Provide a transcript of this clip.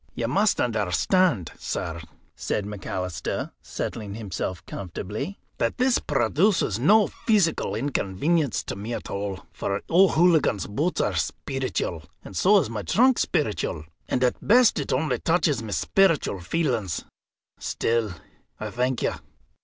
"You must understand, sir," said McAlister, settling himself comfortably, "that this produces no pheesical inconvenience to me at all. For O'Hooligan's boots are speeritual, and so is my trunk speeritual. And at best it only touches my speeritual feelings. Still, I thank you."